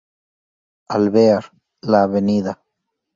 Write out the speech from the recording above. Alvear, la av.